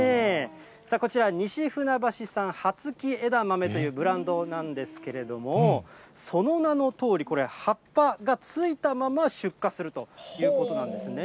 こちら、西船橋産葉付き枝豆というブランドなんですけれども、その名のとおり、これ、葉っぱが付いたまま出荷するということなんですね。